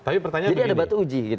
jadi ada batu uji gitu